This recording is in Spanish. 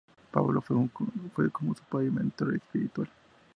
Pablo fue como su padre y mentor espiritual.